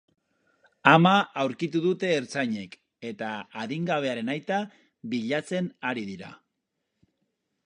Ama aurkitu dute ertzainek eta adingabearen aita bilatzen ari dira.